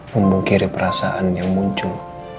memungkiri perasaan yang muncul